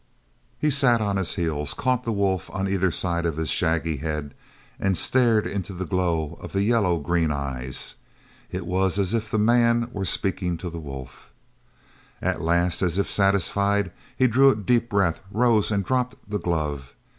He sat on his heels, caught the wolf on either side of the shaggy head, and stared into the glow of the yellow green eyes. It was as if the man were speaking to the wolf. At last, as if satisfied, he drew a deep breath, rose, and dropped the glove.